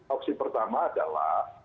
opsi pertama adalah